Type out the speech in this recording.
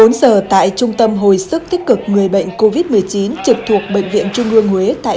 một mươi bốn h tại trung tâm hồi sức thích cực người bệnh covid một mươi chín trực thuộc bệnh viện trung ương huế tại